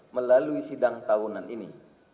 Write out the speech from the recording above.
melalui sidang tahunan ini